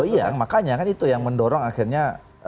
oh iya makanya kan itu yang mendorong akhirnya